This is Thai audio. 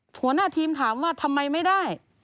หัวหน้าทีมถามว่าทำไมไม่ได้